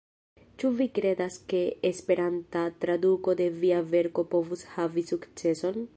Ĉu vi kredas ke Esperanta traduko de via verko povus havi sukceson?